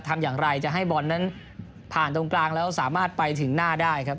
ทำอย่างไรจะให้บอลนั้นผ่านตรงกลางแล้วสามารถไปถึงหน้าได้ครับ